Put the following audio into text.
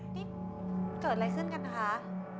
นี่เกิดอะไรขึ้นกันนะคะ